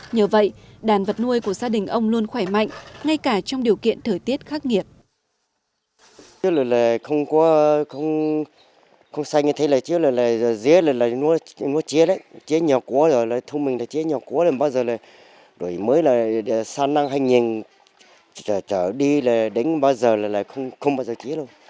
nhờ vậy đàn vật nuôi của gia đình ông luôn khỏe mạnh ngay cả trong điều kiện thời tiết khắc nghiệt